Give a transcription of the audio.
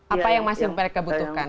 apa yang masih mereka butuhkan